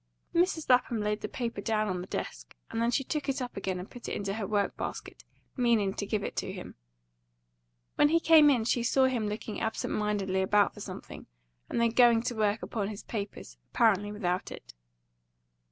Mrs. Lapham laid the paper down on the desk, and then she took it up again and put it into her work basket, meaning to give it to him. When he came in she saw him looking absent mindedly about for something, and then going to work upon his papers, apparently without it.